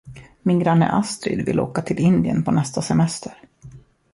Min granne Astrid vill åka till Indien på nästa semester.